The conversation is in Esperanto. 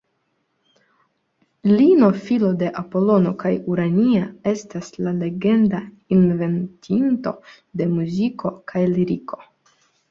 Lino filo de Apolono kaj Urania estas la legenda inventinto de muziko kaj liriko.